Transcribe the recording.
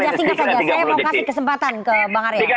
saya mau kasih kesempatan ke bang arya